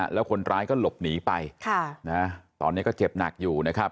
แล้วคนร้ายก็หลบหนีไปตอนนี้ก็เจ็บหนักอยู่นะครับ